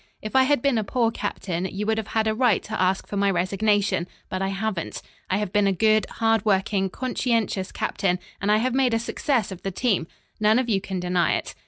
If I had been a poor captain, you would have had a right to ask for my resignation But I haven't. I have been a good, hard working, conscientious captain, and I have made a success of the team. None of you can deny it.